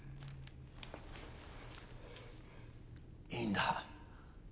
いいんだ。